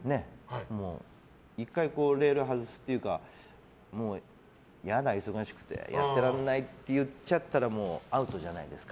１回、レール外すっていうか嫌だ、忙しくてやってらんないって言っちゃったらアウトじゃないですか。